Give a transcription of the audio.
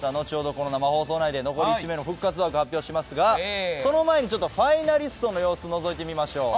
この生放送内で残り１名の復活枠を発表しますがその前にファイナリストの様子のぞいてみましょう。